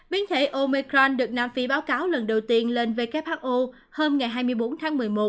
biến thể omecran được nam phi báo cáo lần đầu tiên lên who hôm ngày hai mươi bốn tháng một mươi một